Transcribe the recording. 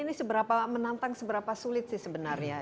ini seberapa menantang seberapa sulit sih sebenarnya